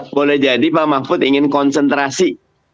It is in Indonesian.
boleh jadi pak mahfud ingin konsentrasi